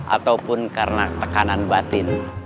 ataupun karena tekanan batin